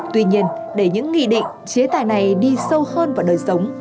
tuy nhiên để những nghị định chế tài này đi sâu hơn vào đời sống